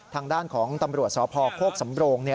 ทางด้านของตำรวจสพโคกสำโรง